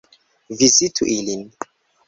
Vizitu ilin!